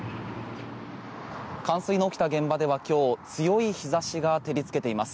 冠水の起きた現場では今日、強い日差しが照りつけています。